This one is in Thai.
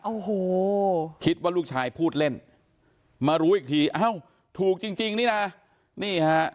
โอ้โหคิดว่าลูกชายพูดเล่นมารู้อีกทีทุกจริงนี่หรอ